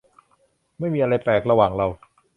ไม่มีอะไรแปลกระหว่างเรา